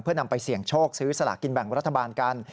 เพื่อนำไปเสี่ยงโชคซื้อสลากินแบ่งรัฐบาลกัน